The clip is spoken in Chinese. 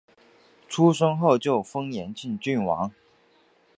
出生后就封延庆郡王。